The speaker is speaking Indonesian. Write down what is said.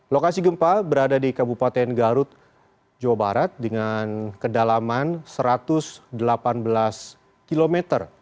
lokasi gempa berada di kabupaten garut jawa barat dengan kedalaman satu ratus delapan belas km